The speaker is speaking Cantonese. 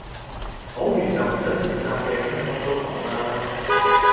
講完又唔使負責嘅梗係乜都講㗎啦